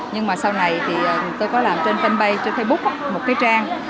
nhưng mà sau này thì tôi có làm trên fanpage trên facebook một cái trang